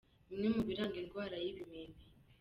Bimwe mu biranga indwara y’ibimeme :.